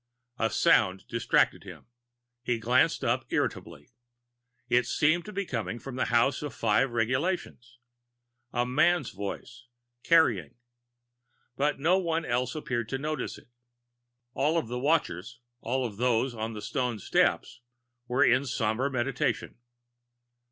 A sound distracted him; he glanced up irritably. It seemed to come from the House of the Five Regulations, a man's voice, carrying. But no one else appeared to notice it. All of the watchers, all of those on the stone steps, were in somber meditation.